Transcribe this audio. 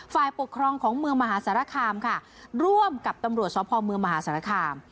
ฝ่ายปกครองของเมืองมหาสารคามค่ะร่วมกับตำรวจสพเมืองมหาสารคาม